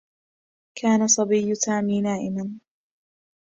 كان صبيّ سامي نائما.